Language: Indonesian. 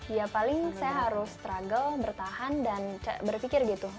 ya paling saya harus struggle bertahan dan berpikir gitu